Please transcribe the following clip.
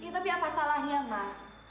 tapi apa salahnya mas